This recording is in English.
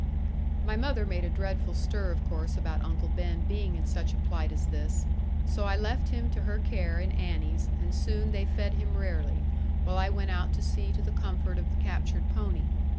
My mother made a dreadful stir, of course, about Uncle Ben being in such a plight as this; so I left him to her care and Annie's, and soon they fed him rarely, while I went out to see to the comfort of the captured pony.